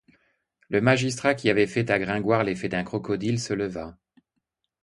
Le magistrat qui avait fait à Gringoire l'effet d'un crocodile se leva.